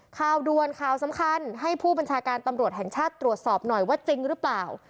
ข่าวด่วนข่าวสำคัญให้ผู้บัญชาการตำรวจแห่งชาติตรวจสอบหน่อยว่าจริงหรือเปล่า